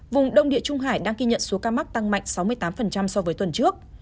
vùng đông địa trung hải đang ghi nhận số ca mắc tăng mạnh sáu mươi tám so với tuần trước